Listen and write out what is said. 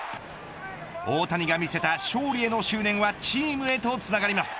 大谷が見せた勝利への執念はチームへとつながります。